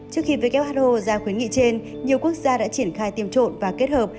trước khi who ra khuyến nghị trên nhiều quốc gia đã triển khai tiêm trộm và kết hợp